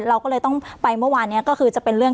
เราก็เลยต้องไปเมื่อวานนี้ก็คือจะเป็นเรื่อง